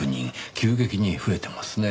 急激に増えてますねぇ。